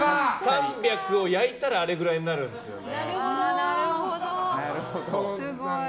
３００を焼いたらあれぐらいになるんですよね。